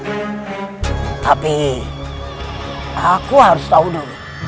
tapi aku harus tahu dulu